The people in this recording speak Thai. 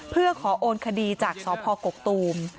เพื่อขอโอนคดีจากสพกกตูม